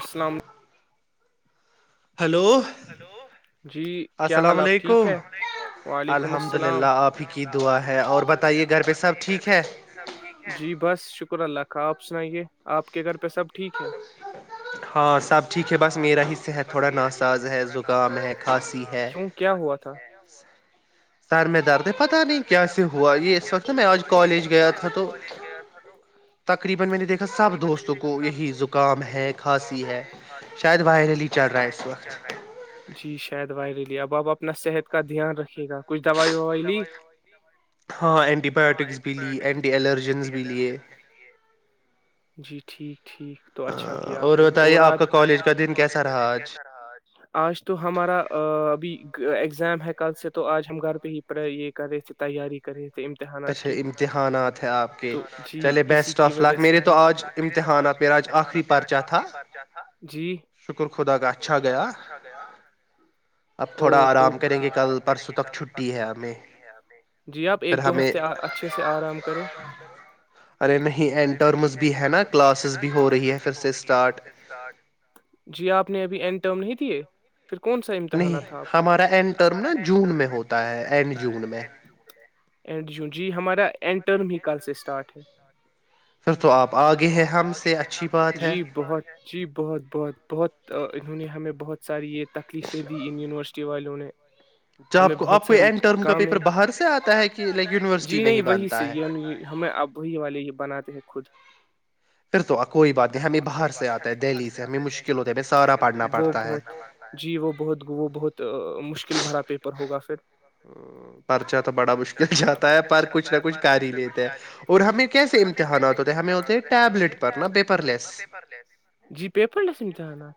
السلام علیکم ہلو جی کیا حال آپ ٹھیک ہےیک وعلیکم السلام الحمد اللہ آپ کی کی دعا ہے اور بتائیے گھر میںبیک جی بس ش شکر اللہ کا آپ سنائیے آپ کے گھر پہ سب ٹھیک ہے ہاں سب ٹھیک ہے بس میرا ہی صحت تھوڑا ناساز ہے تھڑا نا کیوں کیا ہوا تھا سر میں دار سر میں درد پتہ نہیں کیسے ہوا یہ سب سے میں اج کالج گیا تھا تو تقریبا میں نے دیکھا سب دوستوں کو یہی زکام ہے کھانسی ہے شاید باہر علی چل رہا ہے اس وقت جی شاہد بھائی ریلی اب ا اپنا صحت کا دھیان رہکھ رھیے گا کچھ دوائی وائی لی ہاں بھی الن جی ٹھیک ٹھیک تو اچھا کیا آپ نے اور آج ب آپ کا کالج کا د کیسا رہا آج آج تو ہمارا ابھی ایگزام ہے کل سے تو آج ہم گھر پہ ہی پڑے یہ کرےچ تیاری کرے امتحانات جی اس کی وج سےے آج امتحاناتریچ تھا ج شک خدا کا اچھا گیا او تو بڑا آرام کریں گے کل پرس ت جی آپ ایک دو ہفتے اچھے سے آرام کرے ارے نہیںٹرم بھی ہے نا کلاسز بھی ہو رہی ہے پھر سے اسٹارٹ جی آپ نے ابھی انٹر [unintelligible] نہیں ہمارا اڈ ٹرم نا جون میں ہوتا ہے اینڈ [unintelligible] اینڈ جی ہمارا اڈ ٹرم ہی کل سے اسٹارٹ ہے تو آپ آگے ہیں جی بہت جی بہت بہت بہت انہوں نے ہمیں بہت ساری یہ تکلیفیں دی ان یوورسٹی والے [unintelligible] ج آ کو آپ کو ایم [unintelligible] کام جی نہیں وہی سے یہ ہمیں اب وہی والے ہی بناتے ہیں خود [inaudible] تو کوئی بات نہیں باہر سے آتال جی وہ بت بہت تو مشکل بھرا پیپر ہوگا سر [inaudible] چ تو بڑا مشکل ہے کچھ نہ کچھ کر ہی لیتا اور ہمیں کیسے امتحانات ہوتےتےٹیر لی جیر لی اتحانات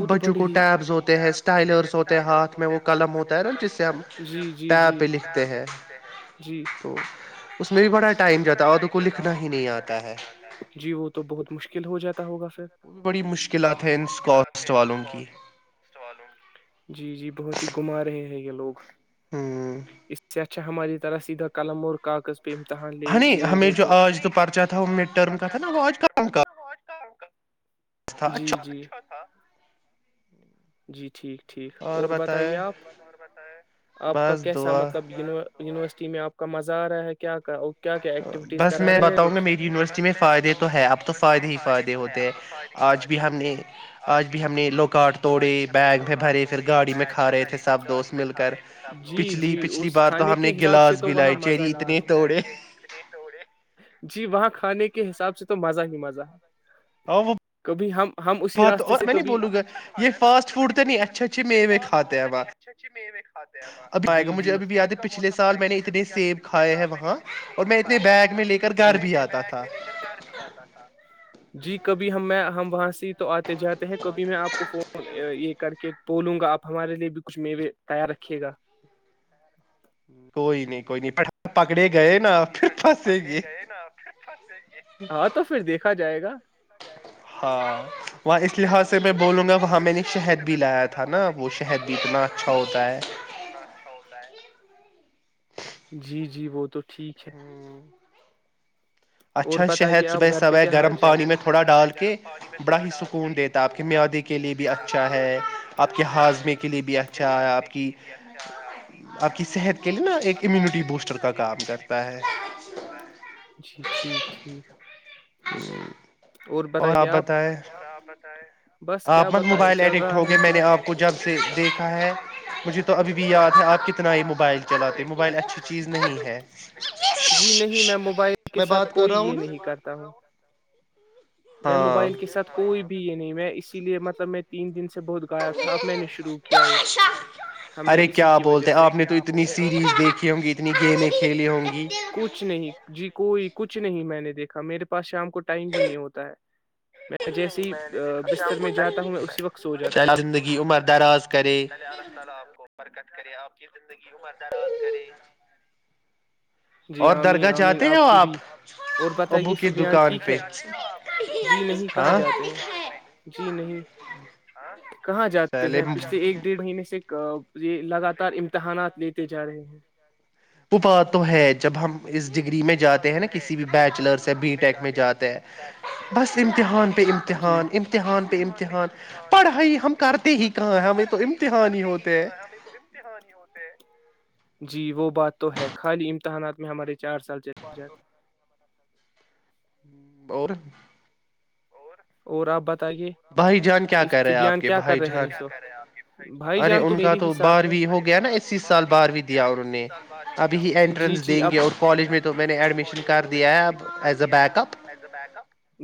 وہ ہوتے ہوتے ہاتھلم ہوتا ہے نا جی جی جی لکھتے ہیں جی اس بھی با ٹائم ج لکھنا ہی نہیں آتا جی وہ تو بہت مشکل ہو جاتا ہوگ سر [inaudible] بڑی مشکلات ہیں جی جی بہت ہی گھما رہے ہیں یہ لوگ اس سے اچھا ہماری تر سید کلمور کاغذ امتحانے لیے گئے تو ہم جو آ تھا تھا [unintelligible] جی جی جی ٹھیک ٹھیک اور بتائیے آپ اور بتائیں آپ کا کیسا مطلب یونیورس میں آپ کا مزہ آ رہا ہے کیا کا بس میں بتاؤں گا میری یونیورسٹی میں فائدے تو ہے اب تو فائدے ہی فائدے ہوتے ہیں آج بھی ہم نے آج بھی ہم نے لوکٹ آج بھی ہم نےیلو کارڈ توڑے بیگ میں بھرےھر گاڑی میں کھا رہے تھے جی جی اس کھانے کے حساب سے تو وہاں مزہ جی وہاں کھانے کے حساب سے تو مزہ ہی مزہ ہے کبھی ہم [unintelligible] ب اور میں نہیں بولوں گا بول گا یہ ف اچاتیب کا موس آ گاجھ ا پچھلے سالب کھائےاںنے بیگ میں لے کر گھر بھی آتا تھا جی کبھی میں ہم وہاں سے [unintelligible] تو آتے جاتے ہیں کبھی میں آپ کو فون یہ کر کے بولوں گا آپ ہمارے لیے بھی کچھ میوے تیار رکھے گا [unintelligible] کوئی نہیں کوئی نہیں کوئی نہیں کوئی نہیں پکڑے گئے ناھر ہاں تو پھر دیکھا جائے گا ہاں وہاں اس لحاظ سے وہاں اس لحاظ سے میں بولوں گا وہاں میں نے شہد بھی لایا تھا نا وہ شہد بھی اتنا اچھا ہوتا ہے جی جی وہ تو ٹھیک ہے اور بتائیے آپ گھر پہ کیا حال چال س گرم پانی میں تھوڑا ڈال کے بڑا ہی سکون دیتا آپ کے مدی کے لیے بھی اچھا ہے آپ کے ہمے کے لیے بھی اچھا ہے آپ آپ کی صحتا ایکون بٹر کا کام کرتا ہے جی ٹھیک ٹھیک اور بتائیے آپ اور آپ بتائیں آپ مت موبائل ایڈکٹ ہو گئے میں نے آپ کو جب سے دیکھا ہے مجھے تو ابھی بھی یاد ہے آپ کتنا یہ موبائل چلاتے موبائل اچھی چیز نہیں ہے ان کے ساتھ کوئی یہ نہیں کرتا ہوں میں موبائل کے ساتھ کوئی بھی یہ نہیں میں اس لی مطلب میں تین دن سے سے بہت غائب تھا اب میں نے شروع کیا یہ ہم نے اسی کی وجہ سے کیا ب آپ نے کچھ نہیں جی کوئی کچھ نہیں میں نے دیکھا میرے پاس شام کو ٹائم بھی نہیں ہوتا ہے میں جیسی چ زندگی عمر دراز کر کرے آپ کی زندگی عمر دراز کرے اور درگاہ جاتے ہو آپ ابو کی دکان پہ جی نہیں کہاں جاتے ہیں جی نہیں کہاں جاتے ہیں پچھلے ایک ڈیڑھ مہینے سے یہ لگاتار امتحانات لیتے جا رہے ہیں وہپا تو ہے جب ہم وہ ب تو ہے جب ہم اس ڈگری میں جاتے ہیں نا کسی بھی بیچلر بی ٹیک میں جاتے ہیں بس امتحان پہ امتحان امتحان پہ امتحان پڑھائی ہم کرتے ہی کہاں ہے ہمیں تو امتحان ہی ہوتے ہیں جی وہ بات تو ہے خالی امتحانات میں ہمارے چار سال چل جاتے اور اور آ ب بےان کیا کر رہے بھائی جان تو میرے ہی ساتھ ہےر ان کا بار ہویا سالاریا ج جی گےالشن دیا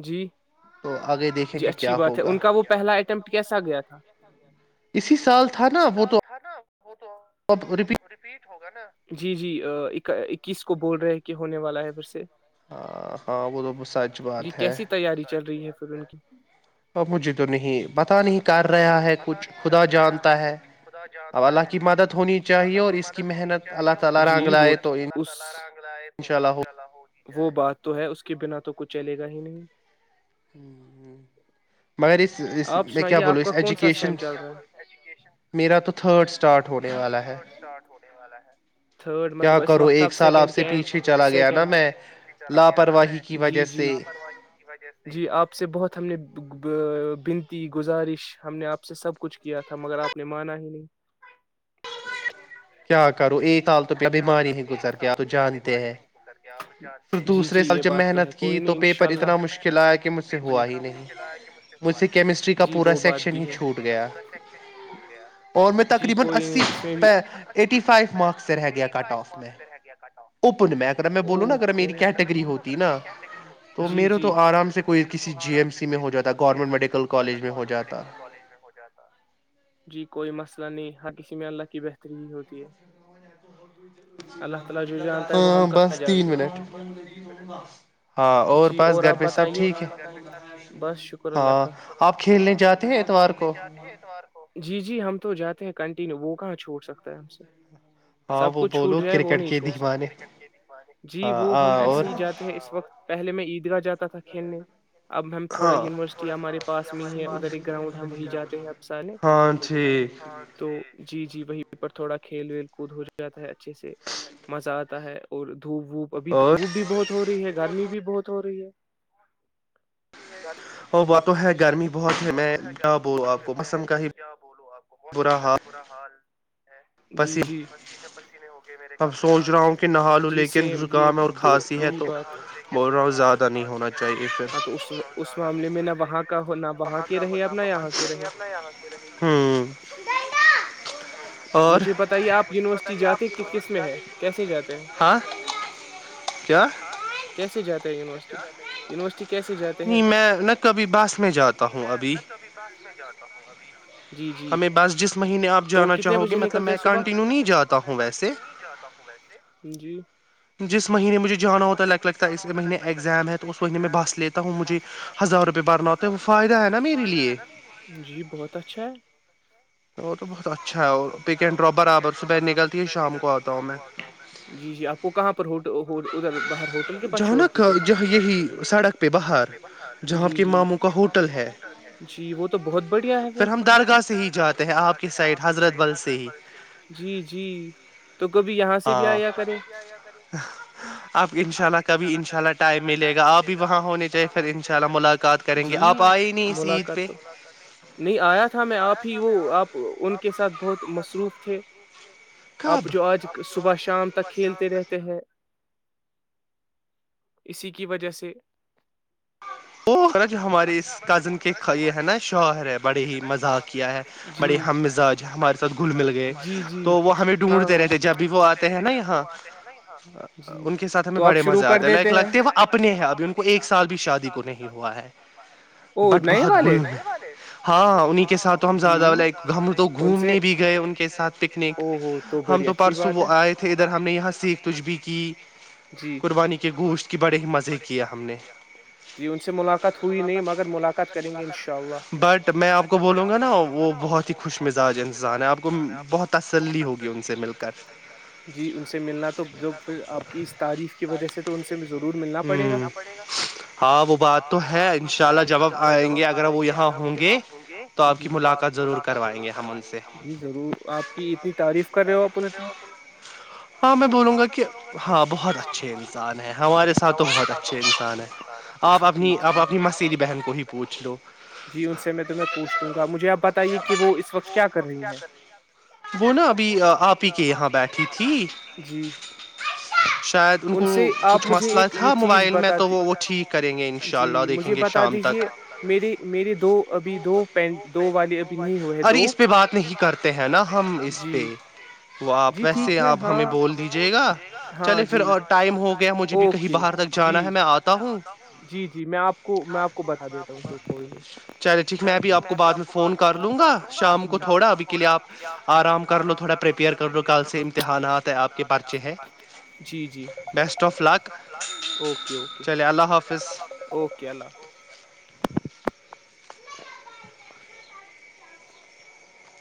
ج آگے دیکھیں کہ اچھی بات ہے ان کا وہ پہلا اٹیمپٹ کیسا گیا تھا اسی سال تھا نا وہ تو وہ تو ریپیٹ ہوگا نا جی جی اکیس کو بول رہے کہ ہونے والا ہے پھر سے ہاں ہاں وہ تو سچ بات ہے سر کی مجھے تو نہیں پت نہیں کر رہا ہے کچھ خدا جانتا ہے اللہ کی مدد ہونی چاہیے جی وہ اللہ تعال تو ان شاء اللہ ہوگی وہ بات تو ہے اس کے بنا تو کچھ چلے گا ہی نہیں مگر اس میں کیا بولوں اس ایجوکیشن میرا تو تھرڈ میرا تو تھرڈ اسٹارٹ ہونے والا ہے تھرڈ مطلب اس وقت آپ سیکنڈ کے اینڈ کرو سیکنڈچھے چلا گیا نا جی جی جی آپ سے بہت ہم نے بنتی گزارش ہم نے آپ سے سب کچھ کیا تھا مگر آپ نے مانا ہی نہیں کیا کرو یہ تال کیا کرو ایک سال تو ما بیماری میں گزر گیاپ ج جی جی یہ بات تو کوئی نہیں اناء اللہ محنت کی تو اتنا مکل کہ مجھ سے ہی نہیں جی وہ بات بھی ہے ہ کاورش چھوٹ گیا جی کوئی نہیں اس بھیریب ٹی فائیو مس فکیا با ا ہو ج جی مے تو آرام سے ج س گنٹ میڈیکل کالج ہو جاتا جی کوئی مسلہ نہیں کسی میں اللہ کی بہتری ہی ہوتی ہے [unintelligible] تو جاتے ہیں کنٹینیو وہ کہاں چھوڑ سکتا ہے ہم سے سب کچھ چھوٹ جائے وہ نہیں چھوٹ سکتے جی وہ ہم ایسے ہی جاتے ہیں اس وقت پہلے میں عید دا جاتا تھا کھیلنے اب ہم تھوڑا یونیورسٹی ہمارے پاس میں ہی ہے ادھر ایک گراؤنڈ ہم وہی جاتے ہیں اب سارے ہاں تو جی جی وہی یہ پر تھوڑا کھیل ویل کود ہو ج جاتا ہے اچھے سے مزہ آتا ہے اور دھوپ وھوپ ابھی دھوپ بھی بہت ہو رہی ہے گرمی بھی بہت توری [unintelligible] ہو وہا تو ہے گرمی بہت ہے میں ڈ ب آپ کو موسم کا ہی برا حال جی جی پ پسینے ہوگئے میرے کپڑے آج جی سیم یہ یہی باتا ہے ہاں تو اس معاملے میں نہ وہاں اور ہاں کیا یونی نہیں میں نہ کبھی بس میں جاتا ہوں ابھی [unintelligible] ہمیں بس جس مہینے آپ جانا چاہو گے مطلب میں کانٹینیو نہیں جاتا ہوں ویسے جس مہینے مجھے جانا ہوتا لگ لگتا ہے اس مہینے ایگزام ہے تو اس مہینے میں بس لیتا ہوں مجھے ہزار روپئے بھرنا ہوتا ارو فا مے جی بہت اچھا ہے چا کوتا ہ جی جی آپ کو کہاں پر ادھر باہر ہوٹل کے پاس چھوڑ دیتے سڑہاہر جی جی ماموں کا ہوٹل ہے جی وہ تو بہت بڑھیا ہے پ ہم دارگاہ سے اہ آپ کی سڈ حضرت بل سے جی جی تو کبھی یہاں سے بھی آیا کرےپ اناءلہ کب اناء ٹم ملے گا آپ بھی وہاں ہونے جائے کر اناءلہ جی ملاقات تو نہیں آیا تھا میں آپ ہی آپ ان کے ساتھ بہت مصروف تھے آپ جو آج صبح شام تک کھیلتے رہتے ہیں اسی کی وجہ سے ہاں وہ نا جو ہمارے اس کزن کے یہ ہے نا شوہر ہے بڑے ہی مزاق کیا ہے بڑے ہم مزاج ہمارے ساتھ گھل مل گئے تو وہ ہمیں ڈھونڈتے رہتے جب بھی وہ آتے ہیں نا یہاں ان کے ساتھ ہمیں بڑے مزے آتا لائک لگتے وہ اپنے ہے ابھی ان کو ایک سال شادی کو نہیں ہو بٹ بہت گل ہے ہاں انہ کے ساتھ تو ہم زیادہ لائک ہم تو گھومنے بھی گئے ان کے ساتھ پکنک ہم تو پرسوں وہ آئے تھے ادھر ہم نے یہاں سیکھ تھ بھی کی قربانی کے گوشت کی بڑے ہی مزے کیا ہم نے جی ان سے ملاقات ہوئی نہیں مگر ملاقات کریں گے انشاء اللہ بٹ میں آپ کو بولوں گا نا وہ بہت ہی خوش مزاج انسان ہے آپ کو بت ت ہوگی مل کر جی ان سے ملنا توھر آپ کی اس تعریف کی وجہ سے تو ان سے ضرور ملنا پڑے گا گا ہاں وہ بات تو ہے ان شاء اللہ جب آپ آئیں گے اگر وہ یہاں ہوں گے ہوں گے ج تو آپ کی ملاقات ضرور کروائیں گے ضرور آپ کی اتنی تعریف کر رہے ہو آپ ان کی ہاں میں بولوں گا کہ ہاں بہت اچھے انسان ہیں ہمارے ساتھ تو بہت اچھے جی جی جی ان سے میں تو پوچھ لوں گا مجھے آپ بتے کہ وہ اس وقت کیا کر رہی ہیں جی ان سے آپ مجھے ایک یہ چیز بتا دی جی مجھے بتا دیجے مے میرے دو ابھی دو پینٹ دو والے ابھی نہیں ہوئے ہیں دو اس پ بات نہیں کرتے ہیں نا جی جی ٹھیک ہے ہاں ہمیں بول دیجیے گا ہاں جی ٹم اوکے جی جی جی میں آپ کو میں آپ کو بتا دیتا ہوں جو کوئی بھی چلے ٹھیک میں اب آپ کو بعد میں فون کر لوں گا شام کو تھوڑا ابھی کے لیے آپ آرام کر لو تھڑاپئر کر لو امتحانات آپ کے پس جی جی بیٹ آف لک اوکےکے چے اللہ حاظ اوکے اللہ